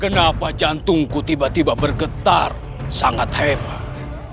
kenapa jantungku tiba tiba bergetar sangat hebat